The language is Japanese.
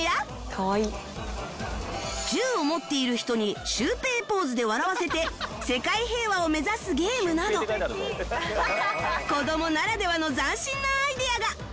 「かわいい」銃を持っている人にシュウペイポーズで笑わせて世界平和を目指すゲームなど子どもならではの斬新なアイデアが！